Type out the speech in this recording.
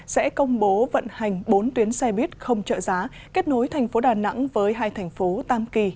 sẽ công bố vận hành bốn tuyến xe buýt không trợ giá kết nối thành phố đà nẵng với hai thành phố tam kỳ